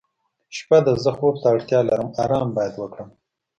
شپه ده زه خوب ته اړتیا لرم آرام باید وکړم.